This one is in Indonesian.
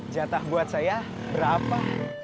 jatah buat saya berapa